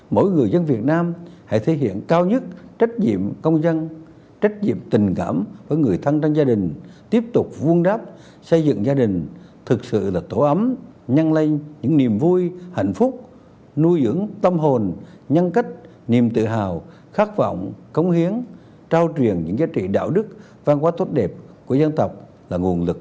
mỗi người dân việt nam hãy thể hiện cao nhất trách nhiệm công dân trách nhiệm tình cảm với người thân trong gia đình tiếp tục vương đáp xây dựng gia đình thực sự là tổ ấm nhân lây những niềm vui hạnh phúc nuôi dưỡng tâm hồn nhân cách niềm tự hào khát vọng cống hiến trao truyền những giá trị đạo đức văn hóa tốt đẹp của dân tộc là nguồn lực